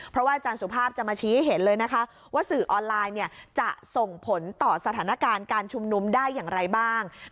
เพราะว่าอาจารย์สุภาพจะมาชี้ให้เห็นเลยนะคะว่าสื่อออนไลน์จะส่งผลต่อสถานการณ์การชุมนุมได้อย่างไรบ้าง